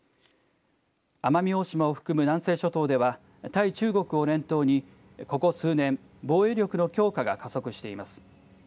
奄美大島を含む南西諸島では対中国を念頭にここ数年防衛力の強化が加速しています。